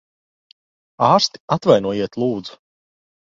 Ārsti! Atvainojiet, lūdzu.